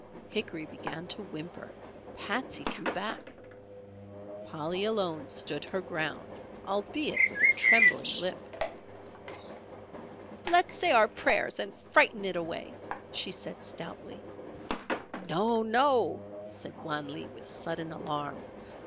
Hickory began to whimper, Patsey drew back, Polly alone stood her ground, albeit with a trembling lip. "Let's say our prayers and frighten it away," she said, stoutly. "No! No!" said Wan Lee, with sudden alarm.